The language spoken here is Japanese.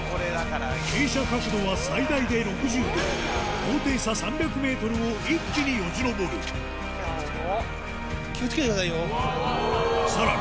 傾斜角度は最大で６０度高低差３００ｍを一気によじ登るうわうわうわ！